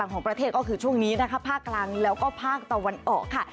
ก็คือช่วงนี้นะคะภาคกลางแล้วก็ภาคตะวันออกค่ะ